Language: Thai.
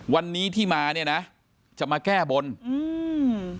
วันนี้ที่มาเนี้ยนะจะมาแก้บนอืม